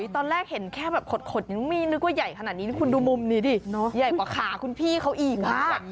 ตอนแรกเห็นแค่แบบขดยังไม่นึกว่าใหญ่ขนาดนี้คุณดูมุมนี้ดิใหญ่กว่าขาคุณพี่เขาอีก